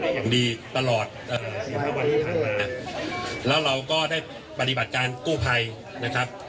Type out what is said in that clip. อย่างดีตลอดแล้วเราก็ได้ปฏิบัติการกู้ภัยนะครับ